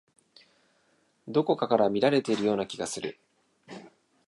どこかから見られているような気がする。